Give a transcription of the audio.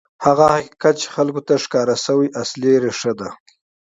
هغه حقیقت چې خلکو ته ښکاره شوی، اصلي مبنا ده.